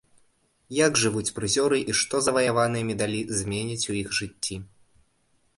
Як жывуць прызёры і што заваяваныя медалі зменяць у іх жыцці.